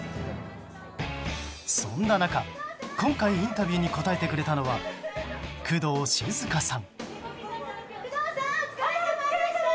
そんな中、今回インタビューに答えてくれたのは工藤静香さん。